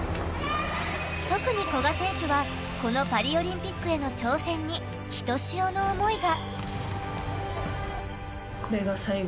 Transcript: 特に古賀選手はこのパリオリンピックへの挑戦にひとしおの思いが。